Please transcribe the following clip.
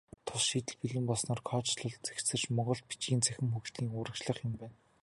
Тус шийдэл бэлэн болсноор кодчилол цэгцэрч, монгол бичгийн цахим хөгжил урагшлах юм байна.